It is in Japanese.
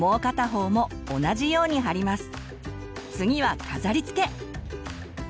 次は飾りつけ！